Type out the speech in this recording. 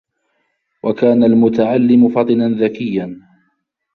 وَكَانَ الْمُتَعَلِّمُ فَطِنًا ذَكِيًّا